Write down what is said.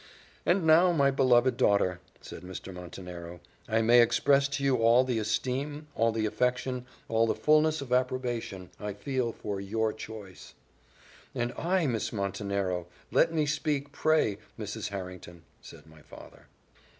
"And now, my beloved daughter," said Mr. Montenero, "I may express to you all the esteem, all the affection, all the fulness of approbation I feel for your choice." "And I, Miss Montenero! Let me speak, pray, Mrs. Harrington," said my father.